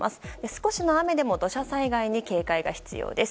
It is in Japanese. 少しの雨でも土砂災害に警戒が必要です。